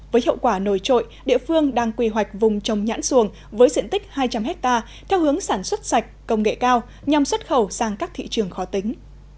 với hiệu quả nổi trội địa phương đang quy hoạch vùng trồng nhãn xuồng với diện tích hai trăm linh hectare theo hướng sản xuất sạch công nghệ cao nhằm xuất khẩu sang các thị trường khó tính